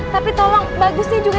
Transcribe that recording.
tapi tolong bagusnya juga